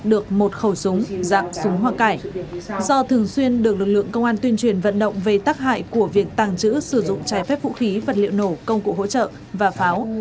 do thường xuyên được lực lượng công an tuyên truyền vận động về tác hại của việc tàng trữ sử dụng trái phép vũ khí vật liệu nổ công cụ hỗ trợ và pháo